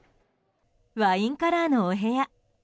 ワインカラーのお部屋。